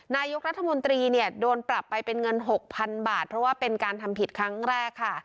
นายกรัฐมนตรีเนี่ยโดนปรับไปเป็นเงิน๖๐๐๐บาทเพราะว่าเป็นการทำผิดครั้งแรกค่ะ